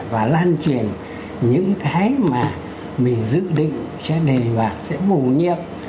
và lan truyền những cái mà mình dự định sẽ đề vào sẽ bù nhiệm